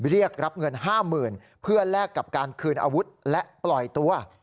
เรียกรับเงิน๕๐๐๐เพื่อแลกกับการคืนอาวุธและปล่อยตัว